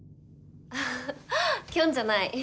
キョンじゃない。